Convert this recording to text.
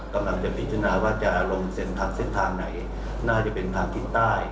กำลังจะพิจารณาว่าจะลงเส้นทางเส้นทางไหนน่าจะเป็นทางกินใต้